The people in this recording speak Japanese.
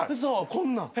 こんなん。